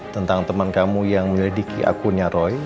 tentang teman kamu yang menyelidiki akunnya roy